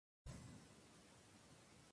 Todavía no ha debutado internacionalmente.